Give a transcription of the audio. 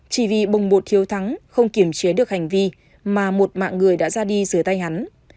chỉ vì bồng bột thiếu thắng không kiểm chế được hành vi mà một mạng người đã ra đi giữa tay hắn